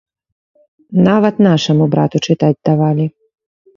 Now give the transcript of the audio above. Нават нашаму брату чытаць давалі.